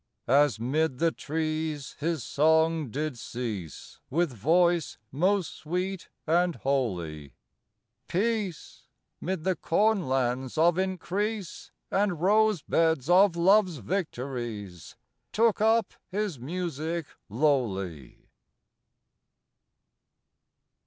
As 'mid the trees his song did cease, With voice most sweet and holy, Peace, 'mid the cornlands of increase And rose beds of love's victories, Took up his music lowly.